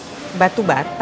sama si cowok batu bata itu